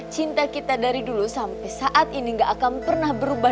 cinta kita dari dulu sampai saat ini gak akan pernah berubah